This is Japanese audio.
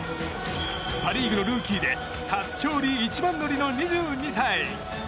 パ・リーグのルーキーで初勝利一番乗りの２２歳。